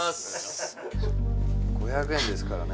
「５００円ですからね」